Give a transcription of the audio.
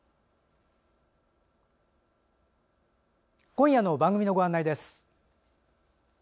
今夜の番組のご案内です。